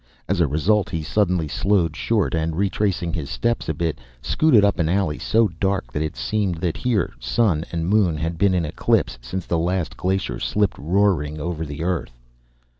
As a result he suddenly slowed short, and retracing his steps a bit scooted up an alley so dark that it seemed that here sun and moon had been in eclipse since the last glacier slipped roaring over the earth.